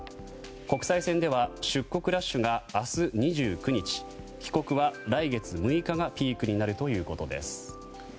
国際線では出国ラッシュが明日２９日帰国は来月６日がピークになるということです。